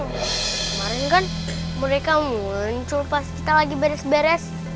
kemarin kan mereka muncul pas kita lagi beres beres